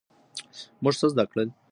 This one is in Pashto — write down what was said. موږ څه زده کړل؟